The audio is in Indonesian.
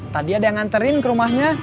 tadi ada yang nganterin ke rumahnya